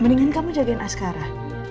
mendingan kamu jagain askara